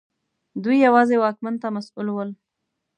دوی یوازې واکمن ته مسوول ول.